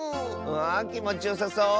わあきもちよさそう。